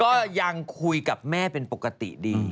ก็ยังคุยกับแม่เป็นปกติดี